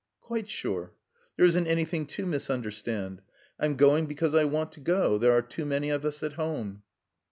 "Quite sure. There isn't anything to misunderstand. I'm going because I want to go. There are too many of us at home."